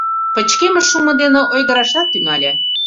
Пычкемыш шумо дене ойгырашат тӱҥале.